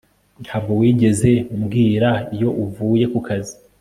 Ntabwo wigeze umbwira iyo uvuye kukazi